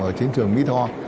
ở chiến trường mỹ tho